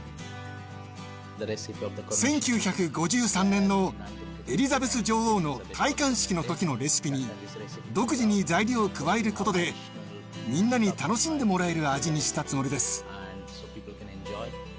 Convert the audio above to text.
１９５３年のエリザベス女王の戴冠式の時のレシピに独自に材料を加えることでみんなに楽しんでもらえる味にしたつもりです。